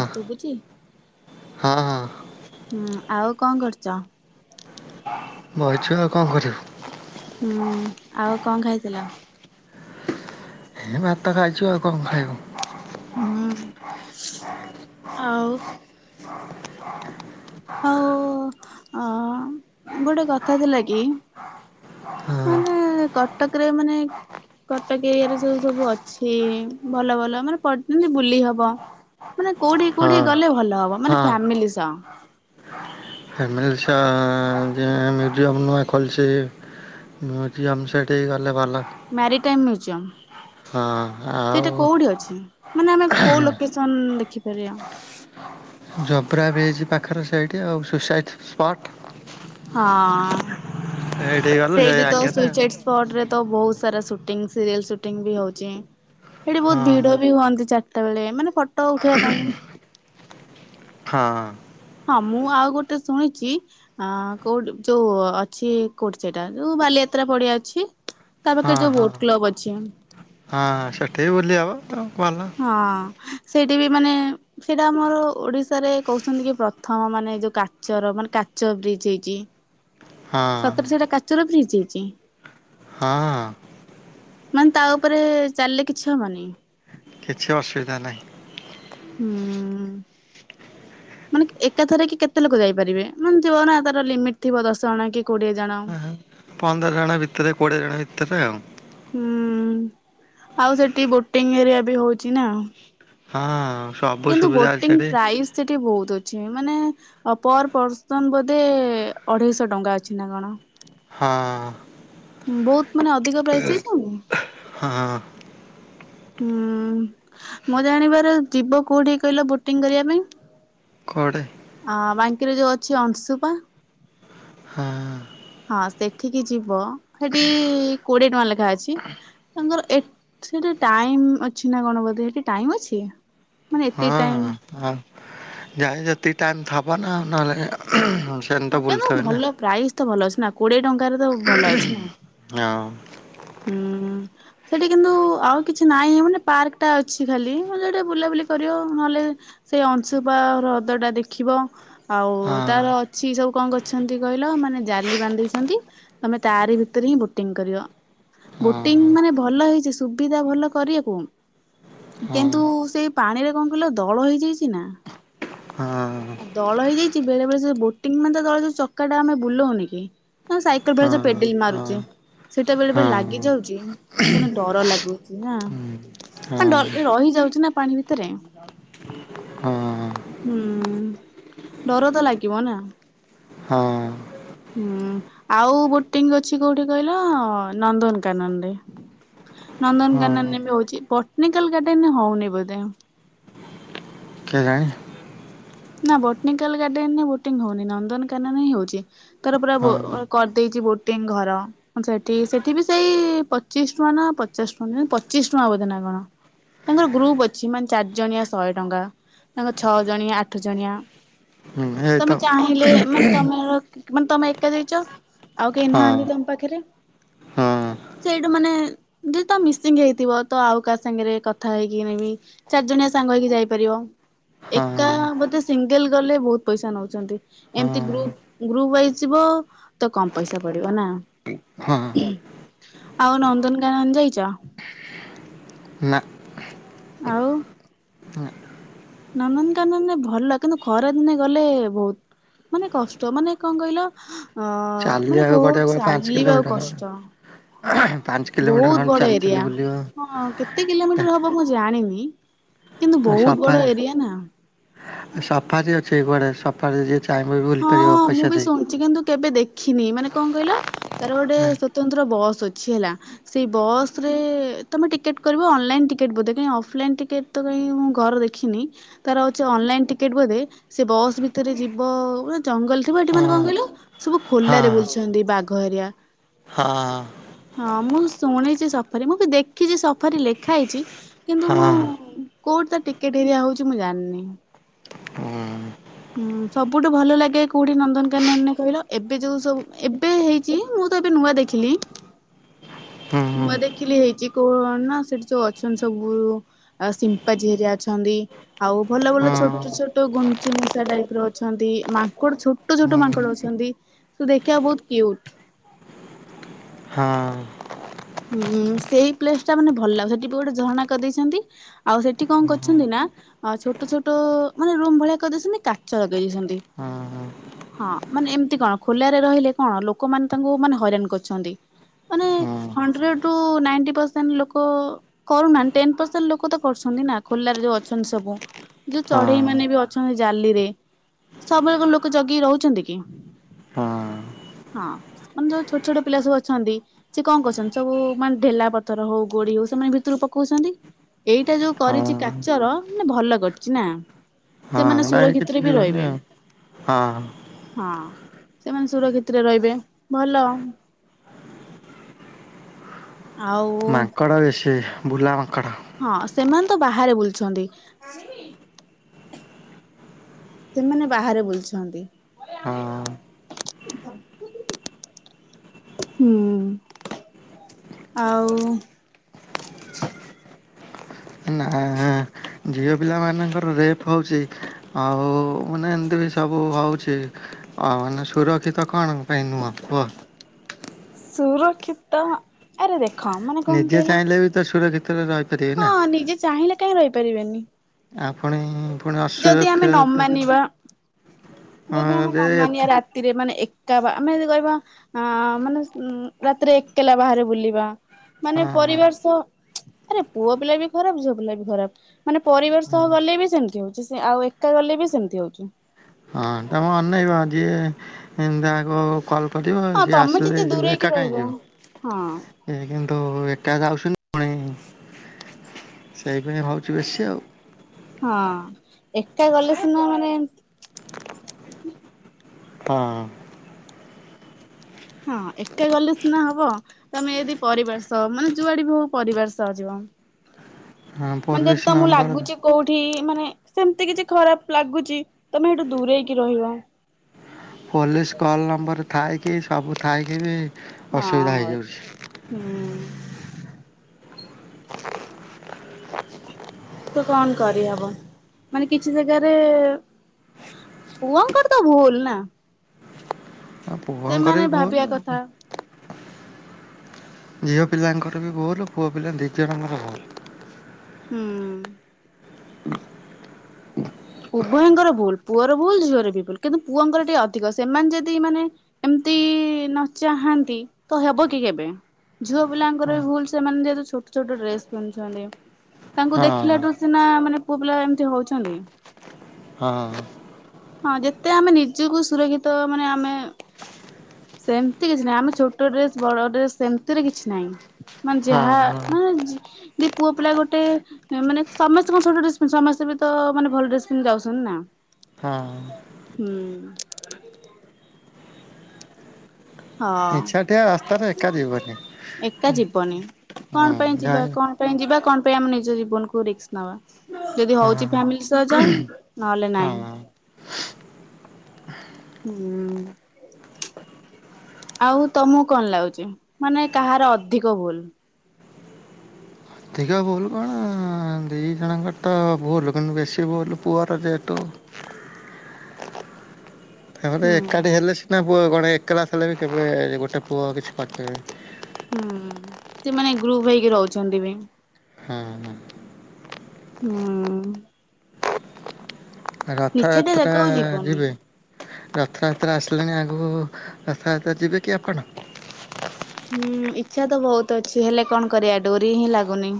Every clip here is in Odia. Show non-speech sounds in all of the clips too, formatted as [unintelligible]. ଆ ଶୁବୁଛି? ହଁ। ହଁ। ହୁଁ। ଆଉ କଣ କରୁଛ? ବଇଛୁ ଆଉ କଣ କରିବୁ? ହୁଁ। ଆଉ କଣ ଖାଇଥିଲ? ଏ ଭାତ ଖାଇଛୁ। ଆଉ କଣ ଖାଇବୁ? ହୁଁ। ଆଉ ହଉ ଆ ଗୋଟେ କଥା ଥିଲା କି ହଁ ମାନେ କଟକ ରେ ମାନେ କଟକ ଏରିଆରେ ଯୋଉ ସବୁ ଅଛି ଭଲ ଭଲ ମାନେ ପ ଯେମିତି ବୁଲି ହବ। ମାନେ କୋଉଠିକି ହଁ କୋଉଠିକି ଗଲେ ଭଲ ହବ। ମାନେ ହଁ ଫ୍ୟାମିଲି ସହ? ଫ୍ୟାମିଲି ସହ ଯେ ମ୍ୟୁଜିୟମ୍ ନୁଆ ଖୋଲିଛି। ମିଉଜିୟମ୍ ସେଠିକି ଗଲେ ଭଲ। ମ୍ୟାରିଟାଇମ ମ୍ୟୁଜିୟମ, ହଁ ଆଉ ସେଇଟା କୋଉଠି ଅଛି? ମାନେ ଆମେ କୋଉ ଲୋକେସନ ଦେଖିପାରିବା? ଜୋବ୍ରା ବ୍ରିଜ ପାଖରେ ସେଇଠି, ଆଉ ସୁସାଇଟ୍ ସ୍ପଟ୍। ହଁ, ସେଇଠିକି ଗଲୁ ସେଇ ସେଇଠି ତ ଆଗରେ ସୁସାଇଟ ସ୍ପଟ ରେ ତ ବହୁତ ସାରା ସୁଟିଂ ସିରିଏଲ ସୁଟିଂ ବି ହଉଛି। ସେଠି ବହୁତ ହଁ ଭିଡ ବି ହୁଅନ୍ତି ଚାରିଟା ବେଳେ ମାନେ ଫଟୋ ଉଠେଇବା ପାଇଁ। ହଁ। ହଁ ମୁଁ ଆଉ ଗୋଟେ ଶୁଣିଚି ଆ କୋଉଠି ଯୋଉ ଅଛି କୋଉଠି ସେଟା ଯୋଉ ବାଲିଯାତ୍ରା ପଡିଆ ଅଛି। ତା ପାଖରେ ହଁ ଯୋଉ ହଁ। ବୋଟ କ୍ଲବ ଅଛି। ହଁ ସେଠିବି ବୁଲିହେବ ତ ଭଲ। ହଁ। ସେଇଠି ବି ମାନେ ସେଇଟା ଆମର ଓଡିଶାରେ କହୁଛନ୍ତି କି ପ୍ରଥମ ମାନେ ଯୋଉ କାଚର ମାନେ କାଚ ବ୍ରିଜ ହେଇଛି। ହଁ ସତରେ ସେଇଟା କାଚ ର ବ୍ରିଜ ହେଇଛି? ହଁ। ମାନେ ତା ଉପରେ ଚାଲିଲେ କିଛି ହବନି? କିଛି ଅସୁବିଧା ନାହିଁ। ହୁଁ। ମାନେ ଏକାଥରେ କି କେତେ ଲୋକ ଯାଇପାରିବେ ମାନେ ଥିବନା ତାର ଲିମିଟ ଥିବ ଦଶ ଜଣ କି କୋଡିଏ ଜଣ? ହଁ। ପନ୍ଦର ଜଣ ଭିତରେ, କୋଡ଼ିଏ ଜଣ ଭିତରେ ଆଉ। ହୁଁ ଆଉ ସେଠି ବୋଟିଂ ଏରିଆ ବି ହଉଛି ନା। ହଁ। ସବୁ କିନ୍ତୁ ସୁବିଧା ଅଛି ବୋଟିଂ ସେଠି ପ୍ରାଇସ୍ ସେଠି ବହୁତ ଅଛି ମାନେ ଆଉ ପର ପର୍ସନ ବୋଧେ ଅଢେଇଶ ଟଙ୍କା ଅଛି ନା କଣ? ହଁ। ବହୁତ ମାନେ ଅଧିକ ପ୍ରାଇସ ନେଇନଉନି? ହଁ। ହୁଁ। ମୋ ଜାଣିବାରେ ଯିବ କୋଉଠି କହିଲ ବୋଟିଂ କରିବା ପାଇଁ? କୁଆଡେ? ଅ ବାଙ୍କିରେ ଯୋଉ ଅଛି ଅଂଶୁପା। ହଁ ହଁ ସେଠିକି ଯିବ ସେଠି କୋଡିଏ ଟଙ୍କା ଲେଖାଏ ଅଛି। ତାଙ୍କର ଏଠିରେ ଟାଇମ ଅଛି ନା କଣ ବୋଧେ ସେଠି ଟାଇମ ଅଛି? ମାନେ ଏତିକ୍ ଟାଇମ ଯାର ଯେତିକି ଟାଇମ୍ ଥବନା ଆଉ ନହଲେ ହୁଉ ମତେ ମୋ କିନ୍ତୁ ଭଲ ପ୍ରାଇସ୍ ତ ଭଲ ଅଛି ନା କୋଡିଏ ଟଙ୍କାରେ ତ ଭଲ ଅଛି ନା। ଆଉ ହୁଁ। ସେଇଠି କିନ୍ତୁ ଆଉ କିଛି ନାହିଁ ମାନେ ପାର୍କଟା ଅଛି ଖାଲି ମଜା ବୁଲାବୁଲି କରିବ ନହେଲେ ସେଇ ଅଂଶୁପା ହ୍ରଦ ଟା ଦେଖିବ ଆଉ ହଁ ତାର ଛି ସବୁ କଣ କରିଛନ୍ତି କହିଲ ମାନେ ଜାଲି ବାନ୍ଧିଛନ୍ତି ତମେ ତାରି ଭିତରେ ହିଁ ବୋଟିଂ କରିବ। ହଁ ବୋଟିଂ ମାନେ ଭଲ ହେଇଛି ସୁବିଧା ଭଲ କରିବାକୁ। କିନ୍ତୁ ସେଇ ପାଣି ରେ କଣ କହିଲ ଦଳ ହେଇଯାଇଚି ନା। ହଁ ଦଳ ହେଇଯାଇଚି ବେଳେ ବେଳେ ସେ ବୋଟିଂ ମାନେ ତ ଦଳ ଚକାଟା ଆମେ ବୁଲଉନି କି ହଁ ସାଇକଲ ଫାଇକଲ ହଁ ସବୁ ପେଡିଲ ହଁ ମାରୁଚେ। କେତେବେଳେ ହଁ ବେଳେ ହଁ ଲାଗି ଯାଉଛି କୁ ଡର ଲାଗୁଚି ନା। ହୁଁ ହଁ ତା ଡ ରହି ଯାଉଛି ନା ପାଣି ଭିତରେ! ହଁ। ହୁଁ ଡର ତ ଲାଗିବ ନା। ହଁ ହୁଁ ଆଉ ବୋଟିଂ ଅଛି କୋଉଠି କହିଲ ନନ୍ଦନକାନନରେ। ହଁ ନନ୍ଦନକାନନ ବି ହଉଛି ବଣ୍ଟିନିକାଲ ଗାର୍ଡେନ ହଉନି ବୋଧେ। କେଜାଣି ନା ବୋଣ୍ଟିନିକାଲ ଗାର୍ଡେନ ବୋଟିଂ ହଉନି ନନ୍ଦନକାନନ ହିଁ ହଉଛି। ତାର ପୁରା ବୋ ହଁ କରିଦେଇଛି ବୋଟିଂ ଘର। ସେଠି ସେଠି ବି ସେଇ ପଚିଶ ଟଙ୍କା ନା ପଚାଶ ଟଙ୍କା ପଚିଶ ଟଙ୍କା ବୋଧେ ନା କଣ? ତାଙ୍କର ଗ୍ରୁପ ଅଛି ମାନେ ଚାରି ଜଣିଆ ଶହେ ଟଙ୍କା, ତାଙ୍କର ଛଅ ଜଣିଆ ଆ ଠ ଜଣିଆ ହୁଁ ଏଇତ ତମେ ଚାହିଁ ଫେ ମାନେ ତମର ମାନେ ତମେ ଏକା ଯାଇଛ ଆଉ କେହି ହଁ ନାହାନ୍ତି ତମ ପାଖରେ ହଁ ସେଇଟୁ ମାନେ ଯେ ତ ମିସିଙ୍ଗ ହେଇଥିବ ତ ଆଉ କାହା ସାଙ୍ଗରେ କଥା ହେଇକି ନେବି ଚାରି ଜଣିଆ ସାଙ୍ଗ ହେଇକି ଯାଇପାରିବ ଏକା ହଁ ବୋ ସିଙ୍ଗଲ ଗଲେ ବହୁତ ପଇସା ନଉଛନ୍ତି ହଁ ଏମତି ଗ୍ରୁ ଗ୍ରୁପ ୱାଇସେ ଯିବ ତ କମ ପଇସା ପଡିବ ନା। ହଁ ଆଉ ନନ୍ଦନକାନନ ଯାଇଚ? ନା ଆଉ ନନ୍ଦନକାନନ ଭଲ କିନ୍ତୁ ଘରେ ଦିନେ ଗଲେ ବହୁତ ମାନେ କଷ୍ଟ ମାନେ କଣ କହିଲ ଅ ମାନେ ଚାଲିବାକୁ ବହୁତ ପଡିବ କଣ ପାଞ୍ଚ ଚାଲିବା ଆଉ କିଲୋମିଟର ଖଣ୍ଡେ। କଷ୍ଟ। ହଁ ପାଞ୍ଚ କିଲୋମିଟର ବହୁତ ଖଣ୍ଡେ ବଡ ଚାଲି ଚାଲି ଏରିଆ ବୁଲିବ। ହଁ କେତେ କିଲୋମିଟର ହବ ମୁଁ ଜାଣିନି। କିନ୍ତୁ ଆ ବହୁତ ସଫା ବଡ ଏରିଆ ନା। ସଫାର ଅଛି କୁଆଡ଼େ ସଫା ଯିଏ ଟାଇମରେ ବିୁଲିପାରିବ ପଇସା ଦେଇ। [unintelligible] ଖିନି ମାନେ କଣ କହିଲ ତାର ଗୋଟେ ହଁ ସ୍ଵତନ୍ତ୍ର ବସ୍ ଅଛି ହେଲା। ସେଇ ବସ ରେ ତମେ ଟିକେଟ କରିବ ଅନଲାଇନ ଟିକେଟ ବୋଧେ କାହିଁ ଅଫଲାଇନ୍ ଟିକେଟ ତ କାହି ମୁଁ ଘର ଦେଖିନି ତାର ହଉଚି ଅନଲାଇନ ଟିକେଟ ବୋଧେ ସେ ବସ୍ ଭିତରେ ଯିବ। ପୁରା ଜଙ୍ଗଲ ଥିବ ଏଠି ମାନେ କଣ କହିଲ ସବୁ ହଁ ଖୋଲାରେ ବୁଲୁଛନ୍ତି ବାଘ ଏରିଆ। ହଁ। ହଁ ମୁଁ ଶୁଣିଛି ସଫାରୀ। ମୁଁ ବି ଦେଖିଛି ସଫାରୀ ଲେଖା ହେଇଛି। କିନ୍ତୁ ମୁଁ, ହଁ କୋଉଠି ତା ଟିକେଟ ହେରିଆ ହଉଛି ମୁଁ ଜାଣିନି। ଉଁ। ହୁଁ, ସବୁଠୁ ଭଲ ଲାଗେ କୋଉଠି ନନ୍ଦନକାନନରେ କହିଲ? ଏବେ ଯୋଉ ସବୁ ଏବେ ହେଇ ଚି ମୁଁ ତ ଏବେ ନୂଆ ଦେଖିଲି। ହୁଁ ନୂଆ ଦେଖିଲି ହେଇଛି। କୋଣ ନା ସେଠି ଯୋଉ ଅଛନ୍ତି ସବୁ ଆଉ ସିମ୍ପାଜି ହେରିଆ ଅଛନ୍ତି। ଆଉ ଭଲ ଭଲ ହୁଁ ଛୋଟ ଛୋଟ ଛୋଟ ଗୁଣ୍ଡୁଚି ମୂଷା ଟାଇପ ର ଅଛନ୍ତି। ମାଙ୍କଡ ଛୋଟ ଛୋଟ ମାଙ୍କଡ ଅଛନ୍ତି। ତ ଦେଖିଆ କୁ ବହୁତ କ୍ଯୁଟ୍। ହଁ। ହୁଁ, ସେଇ ପ୍ଲେସ ଟା ମାନେ ଭଲଲାଗୁଛି। ସେଠି ପା ଗୋଟେ ଝରଣା କରିଦେଇଛନ୍ତି। ଆଉ ସେଠି କଣ କରଛନ୍ତି ନା ହଁ, ଛୋଟ ଛୋଟ ମାନେ ରୁମ୍ ଭଳିଆ କହିଦେଇଛନ୍ତି। କାଚ ଲଗେଇ ଦେଇଛନ୍ତି। ହଁ ହଁ ମାନେ ଏମତି କଣ, ଖୋଲାରେ ରହିଲେ କଣ, ଲୋକମାନେ ତାଙ୍କୁ ମାନେ ହଇରାଣ କରୁଛନ୍ତି। ମାନେ ହଁ ହଣ୍ଡ୍ରେଡ ରୁ ନାଇଣ୍ଟି ପରସେଣ୍ଟ ଲୋକ କରୁନାହାନ୍ତି। ଟେନ ପରସେଣ୍ଟ ଲୋକ ତ କରୁଛନ୍ତି ନା? ଖୋଲାରେ ଯୋଉ ଅଛନ୍ତି ସବୁ। ଯୋଉ ହଁ ଚଢେଇ ମାନେ ହଁ ବି ଅଛନ୍ତି ଜାଲିରେ। ସବୁବେଳେ କଣ ଲୋକ ଜଗି ରହୁଛନ୍ତି କି? ହଁ। ମାନେ ଯୋଉ ଛୋଟ ଛୋଟ ପିଲା ସବୁ ଅଛନ୍ତି ସେ କଣ କରୁଛ ସେମାନେ ସବୁ ମାନେ ଢେଲା ପଥର ହଉ, ଗୋଡି ହଉ, ସେମାନେ ଭିତରକୁ ପକଉଛନ୍ତି। ଏଇଟା ଯୋଉ ହଁ ହଁ କରିଛି କାଚର ମାନେ ଭଲ କରିଛି ନା? ସେମାନେ ହଁ ଏଟା କିଛି ସୁରକ୍ଷିତରେ ବି ଯିବନି ରହିବେ। ଆଉ ହଁ ହଁ, ସେମାନେ ସୁରକ୍ଷିତରେ ରହିବେ। ଭଲ। ଆଉ ମାଙ୍କଡ ବେଶୀ, ବୁଲା ମାଙ୍କଡ଼। ହଁ, ସେମାନେ ତ ବାହାରେ ବୁଲଛନ୍ତି। ସେମାନେ ବାହାରେ ବୁଲୁଛନ୍ତି। ହଁ ହୁଁ, ଆଉ ନାଁ। ଝିଅ ପିଲାମାନଙ୍କର ରେପ୍ ହଉଛି ଆଉ ମାନେ ଏମିତି ବି ସବୁ ହେଉଛି ଅ ମାନେ ସୁରକ୍ଷିତ କଣ ପାଇଁ ନୁହଁ କୁହ? ସୁରକ୍ଷିତ ଆରେ ଦେଖ ମାନେ କଣ ନିଜେ କହିଲ ଚାହିଁଲେ ବି ତ ସୁରକ୍ଷିତରେ ରହିପାରିବେ ନା। ହଁ ନିଜେ ଚାହିଁଲେ କାହିଁ ରହିପାରିବେନି। ଆପଣେ ଯଦି ଆମେ ନ ମାନିବା, ହଁ ଯଦି ଆମେ ରେ ନ ମାନିବା ଏତେ ରାତି ତିରେ ମାନେ ଏକା ବା ଆମେ ଯଦି କହିବା ଆ ମାନେ ରାତିରେ ଏକଲା ବାହାରେ ବୁଲିବା, ମାନେ ହଁ ପରିବାର ସହ ଆରେ ପୁଅ ପିଲା ବି ଖରାପ। ଝିଅ ପିଲା ବି ଖରାପ। ମାନେ ପରିବାର ସହ ଗଲେ ବି ସେମିତି ହଉଛି। ଯେ ସେ ଆଉ ଏକା ଗଲେ ବି ସେମିତି ହଉଛି। ହଁ ତମେ ଅନେଇବ, ଯିଏ ଯାହାକୁ ଫଲ ପଟିବ ହଁ ସିଏ ତମେ ଆସିଲେ ଯେତେ ଦୂରେଇକି ଏକା କାଇଁ ରହିବ ଯିବ? ହଁ ଏ କିନ୍ତୁ ଏକା ଯାଉଛନ୍ତି। ସେଇପାଁଇ ହଉଛି ବେଶୀ ଆଉ। ହଁ, ଏକା ଗଲେ ସିନା ମାନେ ହଁ। ହଁ ଏକା ଗଲେ ସିନା ହବ ତମେ ଯଦି ପରିବାର ସହ ମାନେ ଯୁଆଡେ ହୋଉ ପରିବାର ସହ ଯିବ। ହଁ ମାନେ ଯେଦି ପୋଲିସ ତମକୁ ନମ୍ବର ଲାଗୁଛି କୋଉଠି ମାନେ ସେମତି କିଛି ଖରାପ ଲାଗୁଛି ତମେ ହେଠୁ ଦୂରେଇକି ରହିବା। ପୋଲିସ କଲ୍ ନମ୍ବର ଥାଇକି ସବୁ ଥାଇକି ବି ହଁ ଅସୁବିଧା ହଉ ହେଇଯାଉଛି। ହୁଁ। ତ କଣ କରିହବ ମାନେ କିଛି ଜାଗାରେ ପୁଅଙ୍କର ତ ଭୁଲ୍ ନା। ପୁଅଙ୍କର ସେମାନେ ବି ଭୁଲ୍। ଭାବିବା କଥା ଝିଅ ପିଲାଙ୍କର ବି ଭୁଲ ପୁଅ ପିଲା ଦି ଜଣଙ୍କର ଭୁଲୁ। ହୁଁ। ଉଭୟଙ୍କର ଭୁଲ ପୁଅର ଭୁଲ ଝିଅର ବି ଭୁଲ କିନ୍ତୁ ପୁଅଙ୍କର ଟିକେ ଅଧିକ ସେମାନେ ଯଦି ମାନେ ଏମିତି ନ ଚାହାନ୍ତି ତ ହେବ କି କେବେ? ଝିଅ ପିଲାଙ୍କର ହଁ ବି ଭୁଲ ସେମାନେ ଯେହେତୁ ଛୋଟ ଛୋଟ ଡ୍ରେସ୍ ପିନ୍ଧୁଛନ୍ତି। ତାଙ୍କୁ ହଁ ଦେଖିଲାଠୁ ସିନା ମାନେ ପୁଅ ପିଲା ଏମିତି ହଉଛନ୍ତି। ହଁ। ହଁ ଯେତେ ଆମେ ନିଜକୁ ସୁରକ୍ଷିତ ମାନେ ଆମେ ସେମିତି କିଛି ନାହିଁ ଆମେ ଛୋଟ ଡ୍ରେସ ବଡ ଡ୍ରେସ ସେମିତିରେ କିଛି ନାହିଁ। ମାନେ ଯାହା ହଁ ମାନେ ଯି ଯଦି ପୁଅ ପିଲା ଗୋଟେ ମାନେ ସମସ୍ତେ କଣ ଛୋଟ ଡ୍ରେସ ପିନ୍ଧ ସମସ୍ତେ ବି ତ ମାନେ ଭଲ ଡ୍ରେସ ସେମତି ଯାଉଛନ୍ତି ନା ହଁ ହୂଁ। ଇଚ୍ଛାଟିଆ ହଁ ରାସ୍ତାରେ ଏକା ଯିବନି ଏକା ଯିବନି ହଁ କଣ ପାଇଁ ଯିବା ଯାହା କଣ ପାଇଁ ଯିବା କଣ ପାଇଁ ଆମେ ନିଜ ଜୀବନକୁ ରିକସ ନବା। ଯଦି ହଉଛି ହଁ ଫ୍ୟାମିଲି ସହ ଯ ନହେଲେ ହଁ ନାଇଁ। ହୁଁ। ଆଉ ତମକୁ କଣ ଲାଗୁଛି ମାନେ କାହାର ଅଧିକ ଭୁଲ୍। ଅଧିକ ଭୁଲ କଣ ଦୁଇ ଜଣଙ୍କର ତ ଭୁଲ କିନ୍ତୁ ବେଶୀ ଭୁଲ ପୁଅର ଯେହେତୁ ତାପରେ ହୁଁ ଏକାଠି ହେଲେ ସିନା ପୁଅ କଣ ଏକଲା କଲେ ବି କେବେ ଗୋଟେ ପୁଅ କିଛି କରିପାରିବନି। ହୁଁ ସେମାନେ ଗ୍ରୁପ ହେଇକି ରହୁଛନ୍ତି ବି। ହଁ ହଁ। ହୁଁ। ନିଛାଟିଆ ରଥଯାତ୍ରା ଜାଗାକୁ ଯିବନି ଯିବେ। ରଥଯାତ୍ରା ଆସିଲାଣି ଆଗକୁ ରଥଯାତ୍ରା ଯିବେ କି ଆପଣ? ହୁଁ ଇଚ୍ଛା ତ ବହୁତ ଅଛି ହେଲେ କଣ କରିବା ଡୋରି ହିଁ ଲାଗୁନି।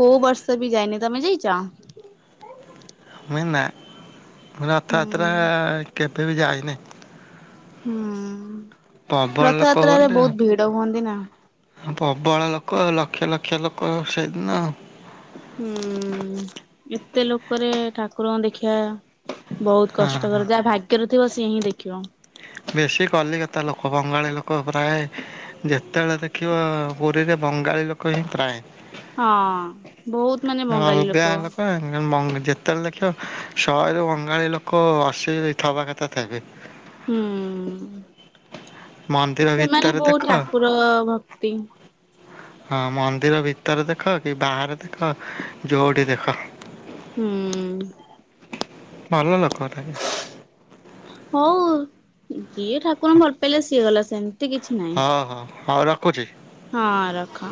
କୋଉ ବର୍ଷ ବି ଯାଇନି ତମେ ଯାଇଚ? ମୁଁ ନା ମୁଁ ହୁଁ ରଥଯାତ୍ରା କେବେ ବି ଯାଇନେଇ। ହୁଁ ପ୍ରବଳ ଲୋକ ରଥଯାତ୍ରାରେ ବହୁତ ଭିଡ ହୁଅନ୍ତି ନା। ପବଳ ଲୋକ ଲକ୍ଷ ଲକ୍ଷ ଲୋକ ସେଇଦିନ। ହୁଁ ଏତେ ଲୋକରେ ଠାକୁରଙ୍କୁ ଦେଖିବା ବହୁତ ହଁ କଷ୍ଟକର ଯାହା ଭାଗ୍ୟରେ ଥିବ ସିଏ ହିଁ ଦେଖିବ। ବେଶୀ କଲିକତା ଲୋକ ବଙ୍ଗାଳୀ ଲୋକ ପ୍ରାଏ ଯେତେବେଳେ ଦେଖିବ ପୁରୀରେ ବଙ୍ଗାଳୀ ଲୋକ ହିଁ ପ୍ରାଏ। ହଁ ବହୁତ ମାନେ ବଙ୍ଗାଳୀ ଲୋକ। ହୂଁ ଉଁ ମଗଂ ଯେତେବେଳେ ଦେଖିବ ଶହେରୁ ବଙ୍ଗାଳୀ ଲୋକ ଅସି ଥବା କଥା ଥେବେ। ହୁଁ ମନ୍ଦିର ସେମାନେ ଭିତରେ ବହୁ ଦେଖ ଠାକୁର ଭକ୍ତି। ହଁ ମନ୍ଦିର ଭିତରେ ଦେଖ କି ବାହାରେ ଦେଖ ଯୋଉଠି ଦେଖ। ହୁଁ। ଭଲଲୋକ ଗୁରା। ହଉ ଯିଏ ଠାକୁର ଭଲ ପାଇଲା ସିଏ ଗଲା ସେମିତି କିଛି ନାହିଁ ହଁ ହଁ ହଉ ରଖୁଚି। ହଁ ରଖ।